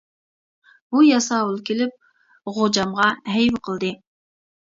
بۇ ياساۋۇل كېلىپ خوجامغا ھەيۋە قىلدى.